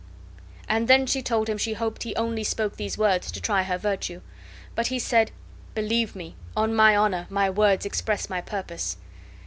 And then she told him she hoped he only spoke these words to try her virtue. But he said, "Believe me, on my honor, my words express my purpose."